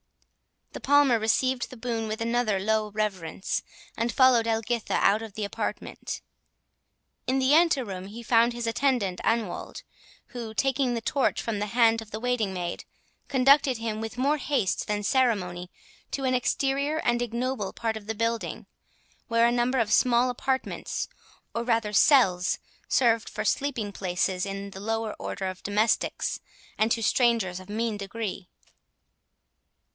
The Palmer received the boon with another low reverence, and followed Edwina out of the apartment. In the anteroom he found his attendant Anwold, who, taking the torch from the hand of the waiting maid, conducted him with more haste than ceremony to an exterior and ignoble part of the building, where a number of small apartments, or rather cells, served for sleeping places to the lower order of domestics, and to strangers of mean degree.